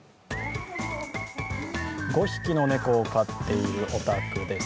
５匹の猫を飼っているお宅です。